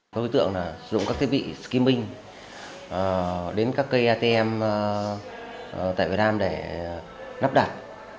có đối tượng là sử dụng các thiết bị skimming đến các cây atm tại việt nam để nắp đặt